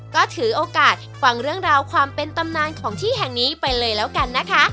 ก็ถือโอกาสฟังเรื่องราวความเป็นตำนานของที่แห่งนี้ไปเลยแล้วกันนะคะ